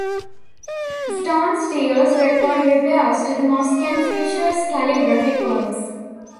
Stone steles record repairs to the mosque and feature calligraphic works.